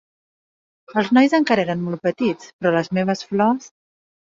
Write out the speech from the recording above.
Els nois encara eren molt petits, però les meves flors...